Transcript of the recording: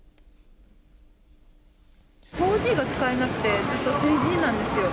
４Ｇが使えなくて、ずっと３Ｇなんですよ。